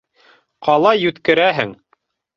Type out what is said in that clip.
- Ҡалай йүткерәһең!